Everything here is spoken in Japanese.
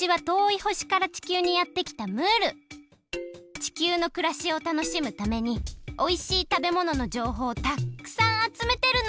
地球のくらしをたのしむためにおいしいたべもののじょうほうをたっくさんあつめてるの！